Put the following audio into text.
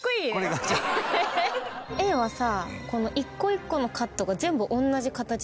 Ａはさ